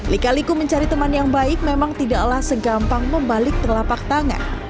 lika liku mencari teman yang baik memang tidaklah segampang membalik telapak tangan